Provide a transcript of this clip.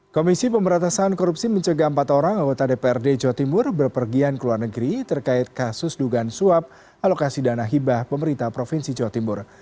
komisi pemberatasan korupsi mencegah empat orang anggota dprd jawa timur berpergian ke luar negeri terkait kasus dugaan suap alokasi dana hibah pemerintah provinsi jawa timur